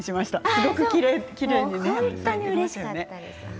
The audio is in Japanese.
すごくきれいですね。